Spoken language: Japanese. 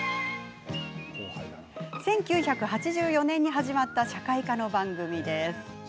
１９８４年に始まった社会科の番組です。